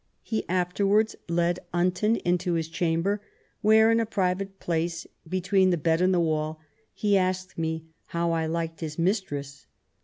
He afterwards led Unton into his chamber, where in a private place between the bed and the wall he asked me how I liked his mistress.